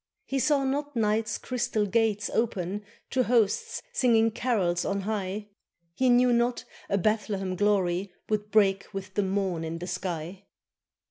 He saw not night's crystal gates open To hosts singing carols on high, He knew not a Bethlehem glory Would break with the morn in the sky!